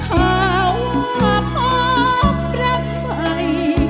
ข้าว่าพบรักใจ